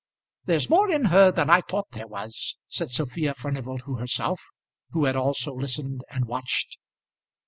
"There's more in her than I thought there was," said Sophia Furnival to herself, who had also listened and watched.